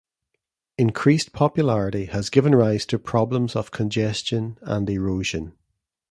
Increased popularity has given rise to problems of congestion and erosion.